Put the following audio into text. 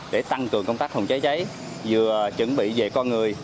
để tăng cường công tác phòng cháy cháy vừa chuẩn bị về con người